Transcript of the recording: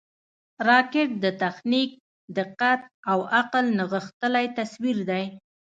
راکټ د تخنیک، دقت او عقل نغښتلی تصویر دی